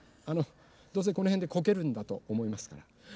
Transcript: あのどうせこのへんでこけるんだとおもいますから。